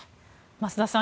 増田さん